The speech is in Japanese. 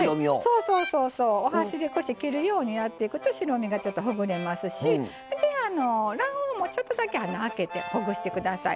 お箸で切るようにやっていくと白身がほぐれますし卵黄も、ちょっとだけ開けてほぐしてください。